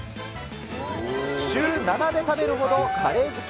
週７で食べるほど、カレー好き。